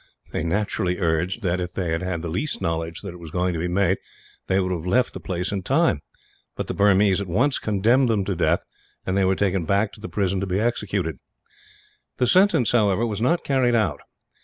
They naturally urged that, if they had had the least knowledge that it was going to be made, they would have left the place in time. But the Burmese at once condemned them to death, and they were taken back to the prison to be executed. The sentence was not carried out.